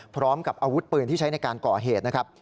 พร้อมกับอาวุธปืนที่ใช้ในการก่อเหตุนะครับ